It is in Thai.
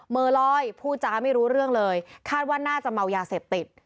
มือลอยพูดจาไม่รู้เรื่องเลยคาดว่าน่าจะเมายาเสพติด